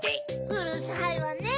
うるさいわねぇ！